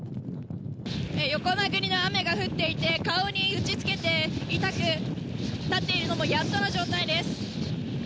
横殴りの雨が降っていて顔に打ち付けて痛く立っているのもやっとの状態です。